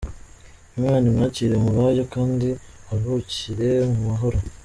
Imana imwakire mu bayo kandi aruhukire mu mahoro!!.